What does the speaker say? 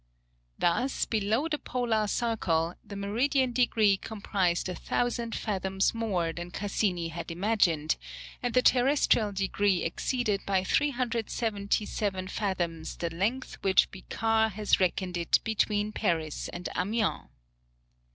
Thus below the Polar circle, the meridian degree comprised a thousand fathoms more than Cassini had imagined, and the terrestrial degree exceeded by 377 fathoms the length which Picard has reckoned it between Paris and Amiens.